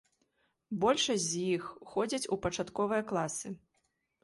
Большасць з іх ходзяць у пачатковыя класы.